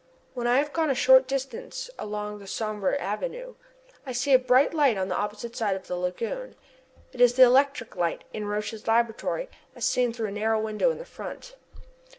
When I have gone a short distance along the sombre avenue I see a bright light on the opposite side of the lagoon. It is the electric light in Roch's laboratory as seen through a narrow window in the front.